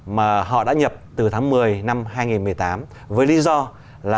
mà họ đã nhập từ tháng một mươi năm hai nghìn một mươi tám